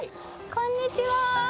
こんにちは。